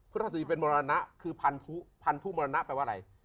พระราชสีเป็นมรณะคือพันธุพันธุมรณะแปลว่าอะไร